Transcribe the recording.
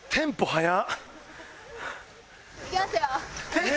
えっ！